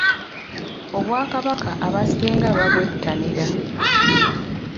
Obwakabaka abasinga babwettanira